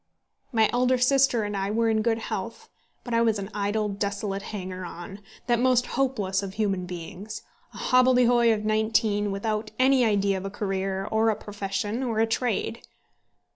My elder sister and I were in good health, but I was an idle, desolate hanger on, that most hopeless of human beings, a hobbledehoy of nineteen, without any idea of a career, or a profession, or a trade.